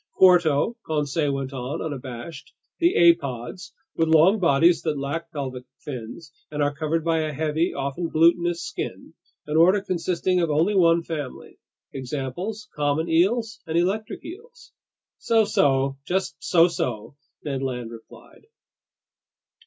"Quarto," Conseil went on, unabashed, "the apods, with long bodies that lack pelvic fins and are covered by a heavy, often glutinous skin, an order consisting of only one family. Examples: common eels and electric eels." "So so, just so so!" Ned Land replied.